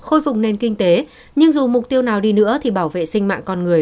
ông lộc nói